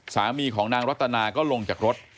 สามีของนางรัตนาก็ลงจากรถ